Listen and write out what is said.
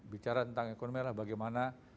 bicara tentang ekonomi adalah bagaimana